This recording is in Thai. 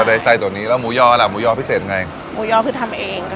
ได้ไส้ตัวนี้แล้วหมูยอล่ะหมูยอพิเศษยังไงหมูยอคือทำเอง